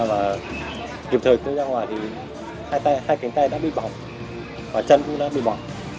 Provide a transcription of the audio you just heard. và kịp thời tôi ra ngoài thì hai tay hai cánh tay đã bị bỏng và chân cũng đã bị bỏ